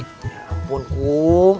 ya ampun kum